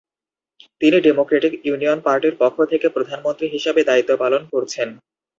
তিনি democratic union পার্টির পক্ষ থেকে প্রধানমন্ত্রী হিসাবে দায়িত্ব পালন করছেন।